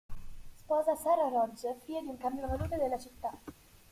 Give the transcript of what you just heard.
Sposa Sarah Rogge, figlia di un cambiavalute della città.